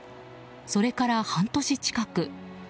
それから半年近く。